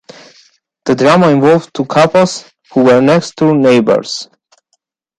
The drama involved two couples who were next-door neighbors.